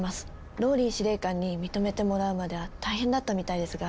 ＲＯＬＬＹ司令官に認めてもらうまでは大変だったみたいですが。